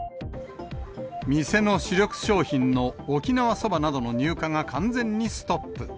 店の主力商品の沖縄そばなどの入荷が完全にストップ。